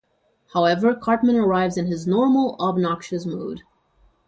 However, Cartman arrives in his normal obnoxious mood.